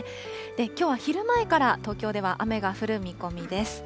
きょうは昼前から、東京では雨が降る見込みです。